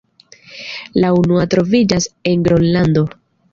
La unua troviĝas en Gronlando.